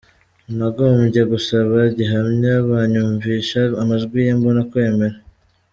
Nagombye gusaba gihamya banyumvisha amajwi ye mbona kwemera.